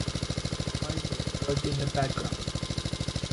Keiser worked in the background.